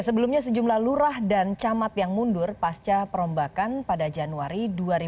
sebelumnya sejumlah lurah dan camat yang mundur pasca perombakan pada januari dua ribu dua puluh